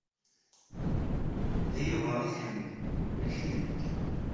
D Yuba ay tḥemmel, maci d nekk.